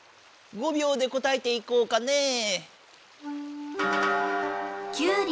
５秒で答えていこうかねえ。